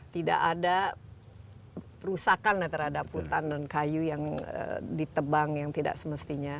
tidak ada perusakan terhadap hutan dan kayu yang ditebang yang tidak semestinya